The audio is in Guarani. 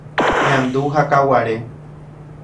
Ñandu ha Kaguare.